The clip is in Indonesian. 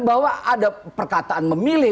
bahwa ada perkataan memilih